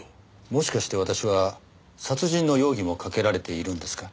もしかして私は殺人の容疑もかけられているんですか？